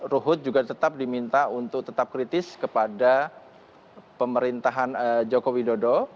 ruhut juga tetap diminta untuk tetap kritis kepada pemerintahan joko widodo